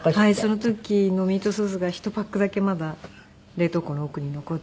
その時のミートソースが１パックだけまだ冷凍庫の奥に残っていて。